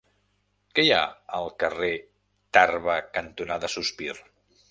Què hi ha al carrer Tarba cantonada Sospir?